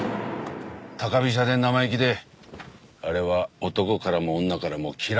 高飛車で生意気であれは男からも女からも嫌われるタイプだよ。